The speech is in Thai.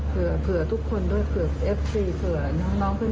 เผื่อทุกคนด้วยเผื่อเอฟซีเผื่อน้องเพื่อน